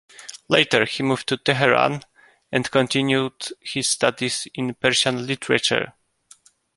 Later, he moved to Tehran and continued his studies in Persian literature.